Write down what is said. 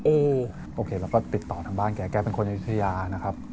เออโอเคเราก็ติดต่อทางบ้านแกแกเป็นคนอายุทยานะครับ